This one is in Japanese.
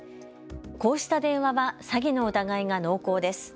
こうした電話は詐欺の疑いが濃厚です。